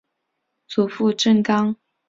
祖父郑刚。